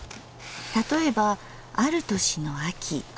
例えばある年の秋。